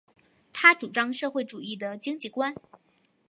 他主张社会主义的经济观。